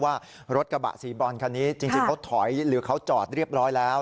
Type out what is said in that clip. ว่ารถกระบะสีบรอนคันนี้จริงเขาถอยหรือเขาจอดเรียบร้อยแล้ว